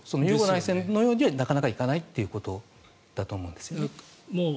ユーゴ内戦のようにはなかなか行かないということだと思うんですね。